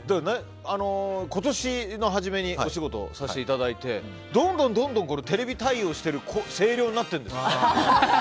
今年の初めにお仕事させていただいてどんどんテレビ対応している声量になってるんです。